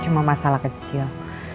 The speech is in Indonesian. cuma masalah kecil